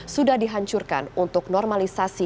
sudah dihancurkan untuk normalisasi